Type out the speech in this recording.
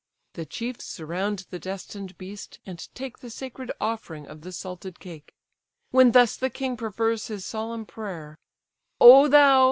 The chiefs surround the destined beast, and take The sacred offering of the salted cake: When thus the king prefers his solemn prayer; "O thou!